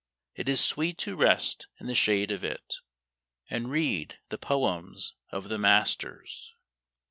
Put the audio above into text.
It is sweet to rest in the shade of it And read the poems of the masters.